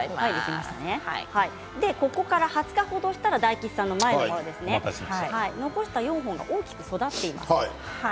ここから２０日程したら大吉さんの前のものですね残した４本が大きく育っています。